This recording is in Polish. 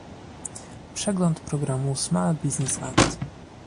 Przegląd programu Small Business Act